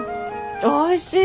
おいしい。